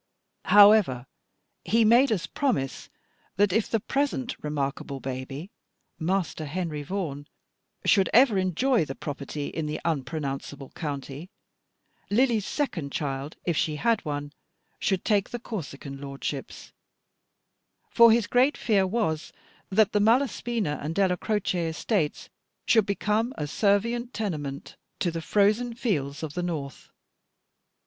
However, he made us promise that if the present remarkable baby, Master Henry Vaughan, should ever enjoy the property in the unpronounceable county, Lily's second child, if she had one, should take the Corsican lordships; for his great fear was, that the Malaspina and Della Croce estates should become a servient tenement to the frozen fields of the North.